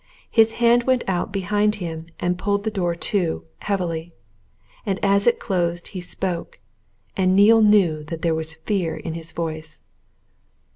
His hand went out behind him and pulled the door to, heavily. And as it closed he spoke and Neale knew that there was fear in his voice.